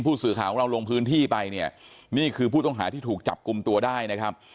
ผู้สื่อข่าวของเราลงพื้นที่ไปเนี่ยนี่คือผู้ต้องหาที่ถูกจับกลุ่มตัวได้นะครับ